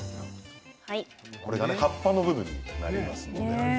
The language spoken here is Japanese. これが葉っぱの部分になりますので。